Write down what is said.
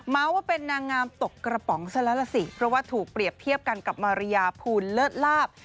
ว่าเป็นนางงามตกกระป๋องซะแล้วล่ะสิเพราะว่าถูกเปรียบเทียบกันกับมาริยาภูลเลิศลาบ